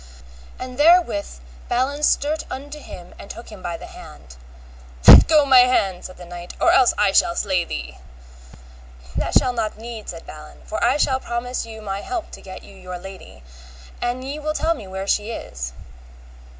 And therewith Balin stert unto him and took him by the hand. Let go my hand, said the knight, or else I shall slay thee. That shall not need, said Balin, for I shall promise you my help to get you your lady, an ye will tell me where she is.